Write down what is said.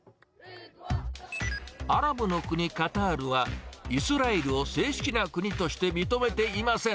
アラブの国、カタールはイスラエルを正式な国として認めていません。